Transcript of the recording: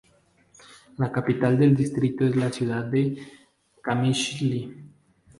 La capital del distrito es la ciudad de Qamishli.